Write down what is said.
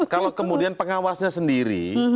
kalau kemudian pengawasnya sendiri